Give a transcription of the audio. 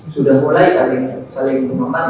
sudah mulai saling saling meman